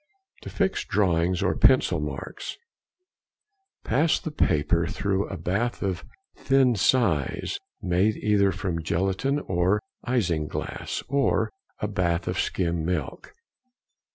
To fix drawings or pencil marks.—Pass the paper through a bath of thin size, made either from gelatine or isinglass; or a bath of skim milk.